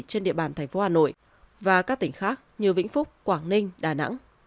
trên địa bàn tp hà nội và các tỉnh khác như vĩnh phúc quảng ninh đà nẵng